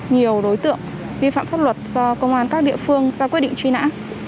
nhiều đối tượng vi phạm pháp luật do công an các địa phương ra quyết định truy nã